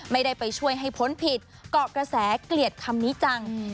ไม่ได้ไปช่วยให้พ้นผิดเกาะกระแสเกลียดคำนี้จัง